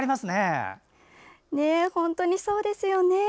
本当にそうですよね。